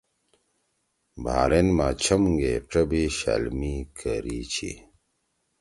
بحرین ما کم گے ڇَبیِش شألمی کری چھی۔